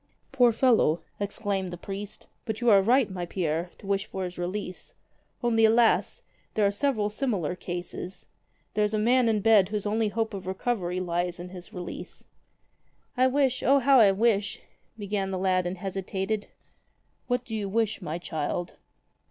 "Poor fellow!" exclaimed the priest. "But you are right, my Pierre, to wish for his release. Only, alas ! there are several similar cases. There is a man in bed whose only hope of recovery lies in his release." "I wish, O how I wish," began the lad and hesitated. 44 ''What do you wish, my child?"